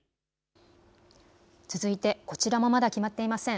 続いてこちらもまだ決まっていません。